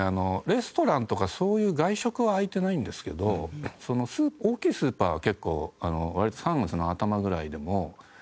レストランとかそういう外食は開いてないんですけど大きいスーパーは結構割と３月の頭ぐらいでも開いていて。